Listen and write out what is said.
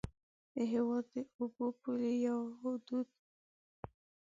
د هېواد د اوبو پولې یا حدود